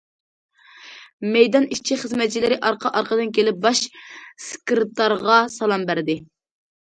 مەيدان ئىشچى- خىزمەتچىلىرى ئارقا- ئارقىدىن كېلىپ باش سېكرېتارغا سالام بەردى.